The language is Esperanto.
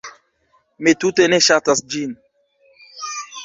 Mi tute ne ŝatas ĝin.